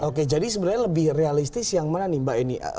oke jadi sebenarnya lebih realistis yang mana nih mbak eni